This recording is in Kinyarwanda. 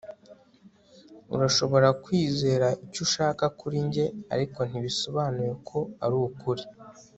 urashobora kwizera icyo ushaka kuri njye, ariko ntibisobanuye ko arukuri